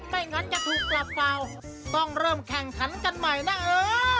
ไม่งั้นจะถูกปรับเปล่าต้องเริ่มแข่งขันกันใหม่นะเออ